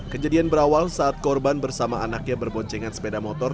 kejadian berawal saat korban bersama anaknya berboncengan sepeda motor